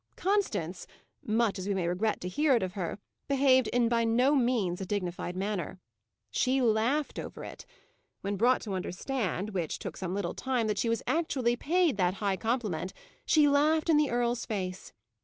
Constance much as we may regret to hear it of her behaved in by no means a dignified manner. She laughed over it. When brought to understand, which took some little time, that she was actually paid that high compliment, she laughed in the earl's face.